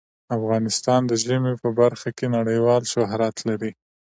افغانستان د ژمی په برخه کې نړیوال شهرت لري.